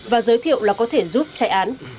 và giới thiệu là có thể giúp chạy án